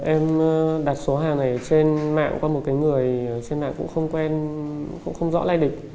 em đặt số hàng này trên mạng qua một người trên mạng cũng không quen không rõ lai địch